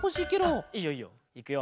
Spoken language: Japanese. あっいいよいいよ。いくよ。